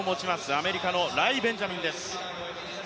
アメリカのライ・ベンジャミンです